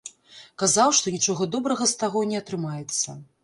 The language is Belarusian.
Казаў, што нічога добрага з таго не атрымаецца.